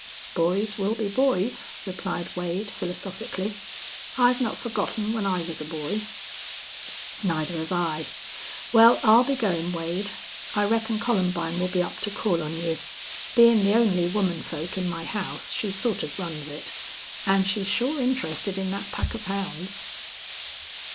"Boys will be boys," replied Wade, philosophically. "I've not forgotten when I was a boy." "Neither hev I. Wal, I'll be goin', Wade. I reckon Columbine will be up to call on you. Bein' the only woman folk in my house, she sort of runs it. An' she's sure interested in thet pack of hounds."